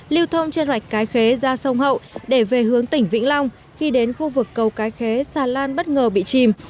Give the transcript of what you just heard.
lưu thông trên rạch cái khế ra sông hậu để về hướng tỉnh vĩnh long khi đến khu vực cầu cái khế xà lan bất ngờ bị chìm